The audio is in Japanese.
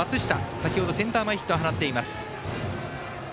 先ほどセンター前ヒットを放っています。